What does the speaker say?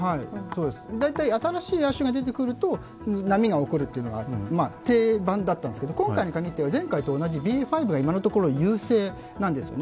大体新しい亜種が出てくると波が出るというのが定番だったんですけど今回に限っては前回と同じＢＡ．５なんですね。